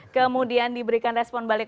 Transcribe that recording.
kemudian diberikan respon balik